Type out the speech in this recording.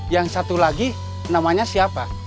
yang satu lagi namanya siapa